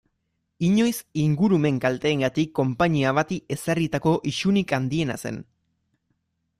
Inoiz ingurumen kalteengatik konpainia bati ezarritako isunik handiena zen.